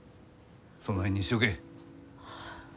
その辺にしちょけ。